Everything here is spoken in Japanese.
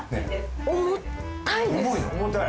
重たい？